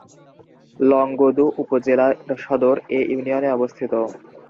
লংগদু উপজেলা সদর এ ইউনিয়নে অবস্থিত।